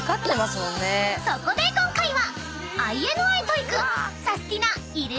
［そこで今回は］